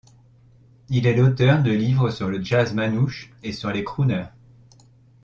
Il est l'auteur de livres sur le jazz manouche et sur les crooners.